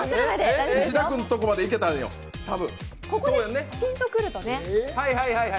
石田君とこまで行けたんよ、多分。